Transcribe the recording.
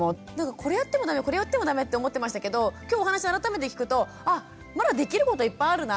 これやっても駄目これやっても駄目って思ってましたけど今日お話改めて聞くとあまだできることいっぱいあるなって。